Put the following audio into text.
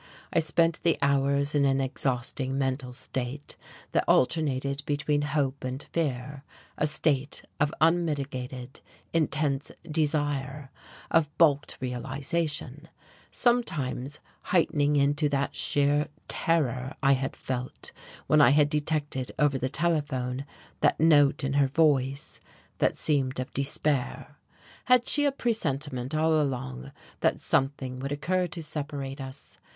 I spent the hours in an exhausting mental state that alternated between hope and fear, a state of unmitigated, intense desire, of balked realization, sometimes heightening into that sheer terror I had felt when I had detected over the telephone that note in her voice that seemed of despair. Had she had a presentiment, all along, that something would occur to separate us?